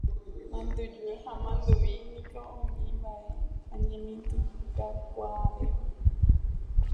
Mandyju ha manduvi niko umi mba'e oñemitỹkakuaavéva.